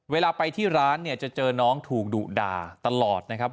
เวลาไปที่ร้านเนี่ยจะเจอน้องถูกดุด่าตลอดนะครับ